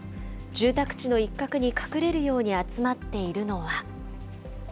住宅地の一角に隠れるように集まっているのは。